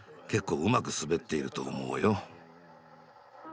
結構うまく滑っていると思うよ。